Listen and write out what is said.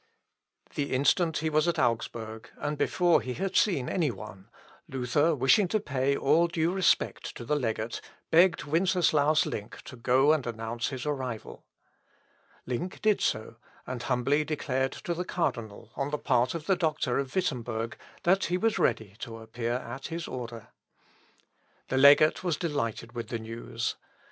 The instant he was at Augsburg, and before he had seen any one, Luther, wishing to pay all due respect to the legate, begged Winceslaus Link to go and announce his arrival. Link did so, and humbly declared to the cardinal, on the part of the doctor of Wittemberg, that he was ready to appear at his order. The legate was delighted with the news.